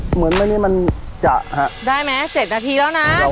เหมือนวันนี้มันจะค่ะ